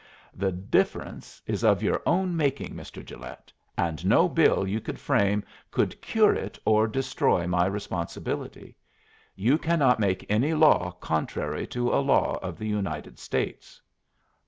"The difference is of your own making, Mr. Gilet, and no bill you could frame would cure it or destroy my responsibility. You cannot make any law contrary to a law of the United States."